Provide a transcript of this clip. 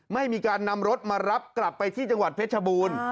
ไม่มีการนำรถมารับกลับไปที่จังหวัดเพชรบูรณ์